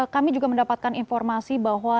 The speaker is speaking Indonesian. kami juga mendapatkan informasi bahwa